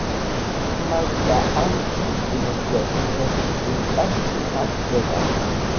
ხმალსა არ უშლის სიმოკლე, ფეხი წინ წასდგი - გაწვდება.